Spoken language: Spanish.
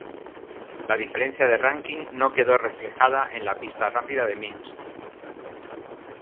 La diferencia de ranking no quedó reflejada en la pista rápida de Minsk.